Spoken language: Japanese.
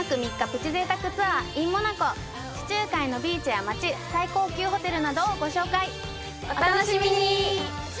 プチ贅沢ツアーｉｎモナコ地中海のビーチや街最高級ホテルなどをご紹介お楽しみに！